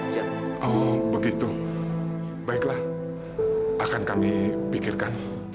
cerita tentang kind